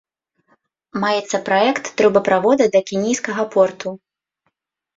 Маецца праект трубаправода да кенійскага порту.